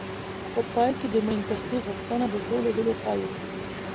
په پای کې د مړینې تصدیق غوښتنه د ټولو هیلو پای و.